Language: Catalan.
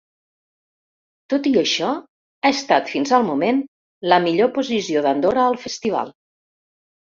Tot i això ha estat, fins al moment, la millor posició d'Andorra al festival.